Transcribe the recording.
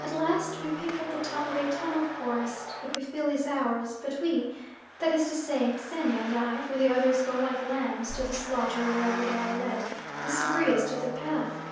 At last we pick up the top of a tongue of forest that we all feel is ours, but we that is to say, Xenia and I, for the others go like lambs to the slaughter wherever they are led disagree as to the path.